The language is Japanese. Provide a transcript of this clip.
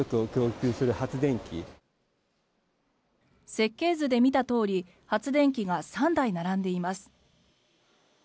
設計図で見たとおり発電機が３台並んでいます。